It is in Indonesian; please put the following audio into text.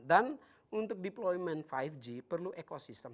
untuk deployment lima g perlu ekosistem